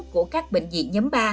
của các bệnh viện nhóm ba